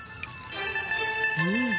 うん。